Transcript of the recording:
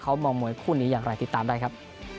คู่นี้อย่างไรติดตามได้ครับ